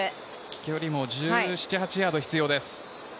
距離も１７１８ヤード必要です。